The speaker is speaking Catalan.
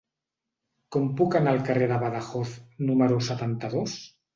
Com puc anar al carrer de Badajoz número setanta-dos?